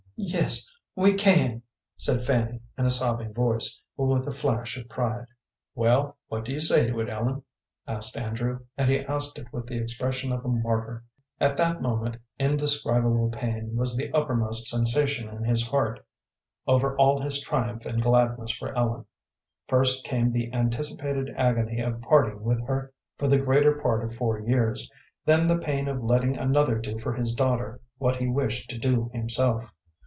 "Yes, we can," said Fanny, in a sobbing voice, but with a flash of pride. "Well, what do you say to it, Ellen?" asked Andrew, and he asked it with the expression of a martyr. At that moment indescribable pain was the uppermost sensation in his heart, over all his triumph and gladness for Ellen. First came the anticipated agony of parting with her for the greater part of four years, then the pain of letting another do for his daughter what he wished to do himself.